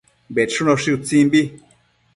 Bedshunoshi utsimbi